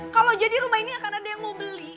kalau jadi rumah ini akan ada yang mau beli